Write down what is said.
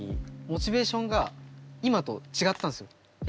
モチベーションが今と違ったんすよ。